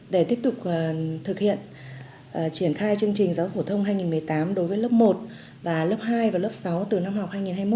để tiếp tục thực hiện triển khai chương trình giáo dục phổ thông hai nghìn một mươi tám đối với lớp một và lớp hai và lớp sáu từ năm học hai nghìn hai mươi hai nghìn hai mươi một